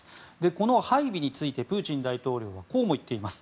この配備についてプーチン大統領はこうも言っています。